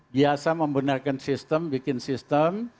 biasa membenarkan sistem bikin sistem